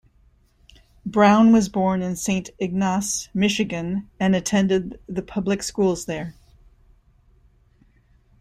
Brown was born in Saint Ignace, Michigan and attended the public schools there.